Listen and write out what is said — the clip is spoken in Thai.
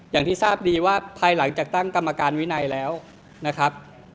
อย่างที่ทราบดีว่าภายหลังจากตั้งกรรมการวินัยแล้วนะครับ